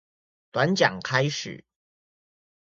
短講開始